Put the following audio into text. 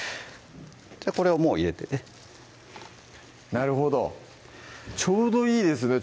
これをもう入れてなるほどちょうどいいですね